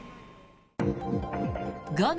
画面